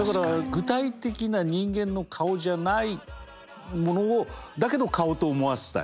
具体的な人間の顔じゃないものをだけど顔と思わせたい。